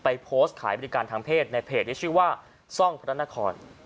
โพสต์ขายบริการทางเพศในเพจที่ชื่อว่าซ่องพระนคร